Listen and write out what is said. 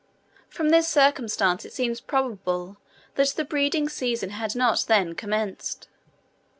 From this circumstance it seems probable that the breeding season had not then commenced.